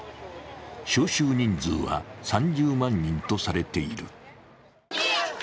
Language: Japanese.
招集人数は３０万人とされている。